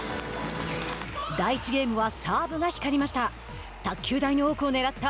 第１ゲームはサーブが光りました。